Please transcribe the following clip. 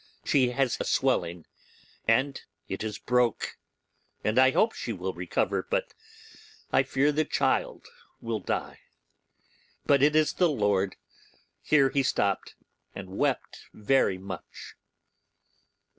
She has a swelling, and it is broke, and I hope she will recover; but I fear the child will die, but it is the Lord—' Here he stopped, and wept very much.